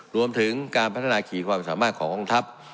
รวมถึงการพัฒนาขี่ความสามารถของกองทัพ